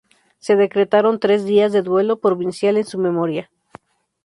Se decretaron tres días de duelo provincial en su memoria.